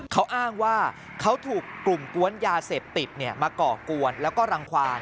เขาอ้างว่าเขาถูกกลุ่มกวนยาเสพติดมาก่อกวนแล้วก็รังความ